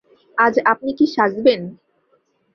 আজ আপনি কী সাজবেন?